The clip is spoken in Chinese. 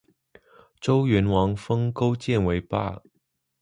周元王封勾践为伯。